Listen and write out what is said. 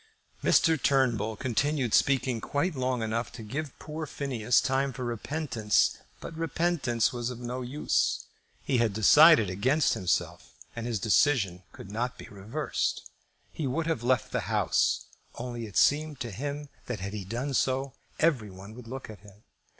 Mr. Turnbull continued speaking quite long enough to give poor Phineas time for repentance; but repentance was of no use. He had decided against himself, and his decision could not be reversed. He would have left the House, only it seemed to him that had he done so every one would look at him.